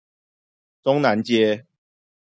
中南街